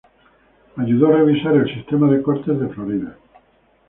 Ayudó a revisar el sistema de cortes de Florida.